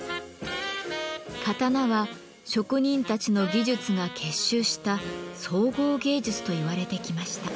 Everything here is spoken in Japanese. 刀は職人たちの技術が結集した「総合芸術」と言われてきました。